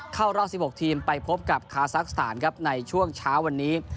เข้ารอบ๑๖ทีมไปพบกับคาซักสถานครับในช่วงเช้าวันนี้